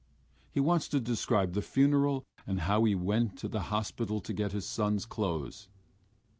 He wants to describe the funeral, and how he went to the hospital to get his son's clothes.